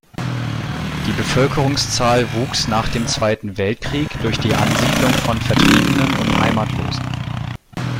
Die Bevölkerungszahl wuchs nach dem Zweiten Weltkrieg durch die Ansiedlung von Vertriebenen und Heimatlosen.